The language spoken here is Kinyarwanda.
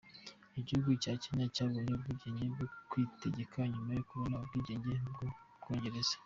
Igihugu cya Kenya cyabonye ubwigenge bwo kwitegeka, nyuma yo kubona ubwigenge ku Bwongereza.